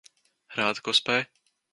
Rādi, ko spēj.